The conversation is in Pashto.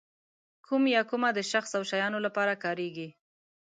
کوم یا کومه د شخص او شیانو لپاره کاریږي.